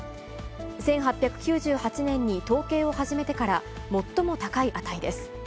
１８９８年に統計を始めてから、最も高い値です。